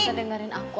tante dengerin aku